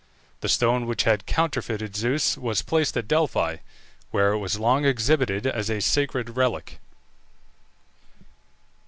The stone which had counterfeited Zeus was placed at Delphi, where it was long exhibited as a sacred relic.